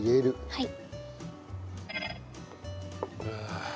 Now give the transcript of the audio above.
はい。